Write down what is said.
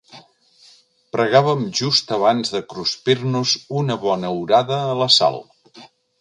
Pregàvem just abans de cruspir-nos una bona orada a la sal.